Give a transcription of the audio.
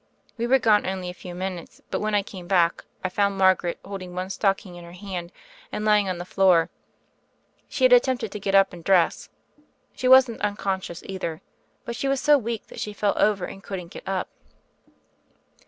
We were gone only a few minutes; but when I came back I found Margaret holding one stocking in her hand, and lying on the floor. She had attempted to get up and dress. She wasn't unconscious either, but she was so weak that she fell over, and couldn't get up."